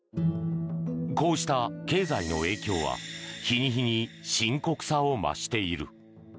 こうした経済の影響は日に日に深刻さを増している。